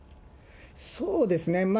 そうですね。